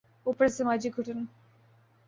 اوپر سے سماجی گھٹن۔